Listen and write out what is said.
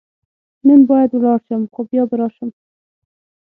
نن باید ولاړ شم، خو بیا به راشم.